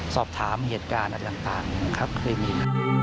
สอบถามเหตุการณ์อะไรต่างนะครับเคยมี